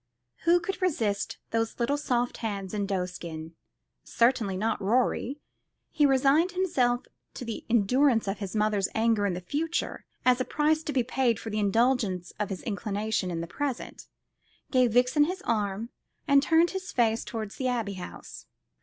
Who could resist those little soft hands in doeskin? Certainly not Rorie. He resigned himself to the endurance of his mother's anger in the future as a price to be paid for the indulgence of his inclination in the present, gave Vixen his arm, and turned his face towards the Abbey House.